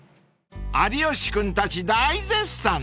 ［有吉君たち大絶賛！